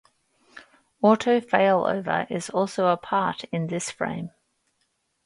Auto fail over is also a part in this frame.